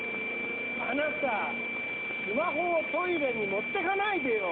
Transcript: あなたスマホをトイレに持って行かないでよ。